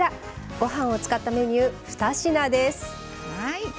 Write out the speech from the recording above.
ご飯を使ったメニュー２品です。